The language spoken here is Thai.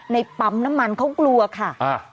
ในปั๊มน้ำมันเขากลัวค่ะ